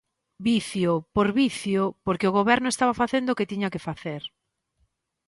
Vicio, por vicio, porque o Goberno estaba facendo o que tiña que facer.